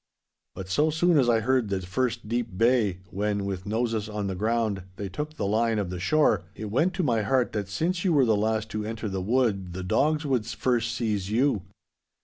But so soon as I heard the first deep bay, when, with noses on the ground, they took the line of the shore, it went to my heart that since you were the last to enter the wood the dogs would first seize you.